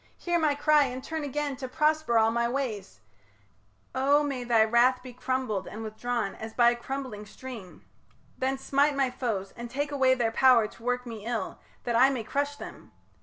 Hear my cry, And turn again to prosper all my ways O may thy wrath be crumbled and withdrawn As by a crumbling stream. Then smite my foes, And take away their power to work me ill, That I may crush them.